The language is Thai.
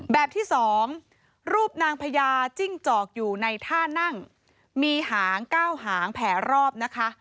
แบบที่๒รูปนางพญาจิ้งจอกอยู่ในท่านั่งมีหางเก้าหางแผลรอบนะคะ